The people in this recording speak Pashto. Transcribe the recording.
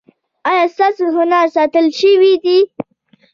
ایا ستاسو هنر ستایل شوی دی؟